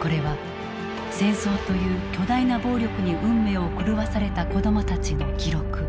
これは戦争という巨大な暴力に運命を狂わされた子どもたちの記録。